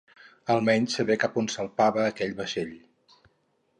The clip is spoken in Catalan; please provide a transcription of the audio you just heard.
Almenys saber cap a on salpava aquell vaixell.